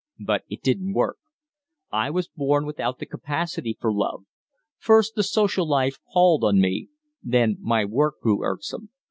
But it didn't work. I was born without the capacity for love. First the social life palled on me; then my work grew irksome.